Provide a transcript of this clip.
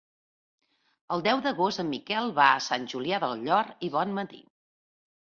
El deu d'agost en Miquel va a Sant Julià del Llor i Bonmatí.